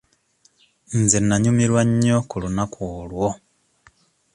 Nze nnanyumirwa nnyo ku lunaku olwo.